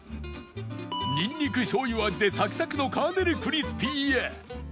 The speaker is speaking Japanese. にんにく醤油味でサクサクのカーネルクリスピーや